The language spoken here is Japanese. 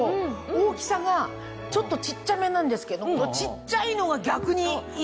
大きさがちょっと小っちゃめなんですけど小っちゃいのが逆にいいっていうか。